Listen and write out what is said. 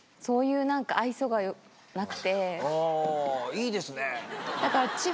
いいですね。